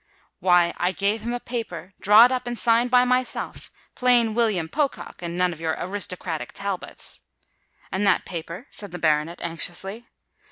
"Why—I gave him a paper, drawed up and signed by myself,—plain William Pocock, and none of your aristocratic Talbots." "And that paper?" said the baronet, anxiously.